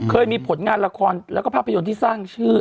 เคยมีผลงานละครแล้วก็ภาพยนตร์ที่สร้างชื่อ